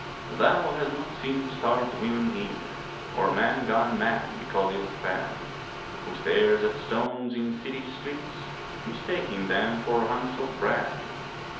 Thou has not seen starved women here, Or man gone mad because ill fed Who stares at stones in city streets, Mistaking them for hunks of bread.